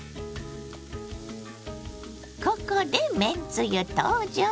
ここでめんつゆ登場。